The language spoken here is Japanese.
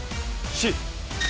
Ｃ。